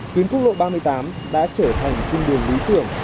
tuyến quốc lộ ba mươi tám đã trở thành trung đường lý tưởng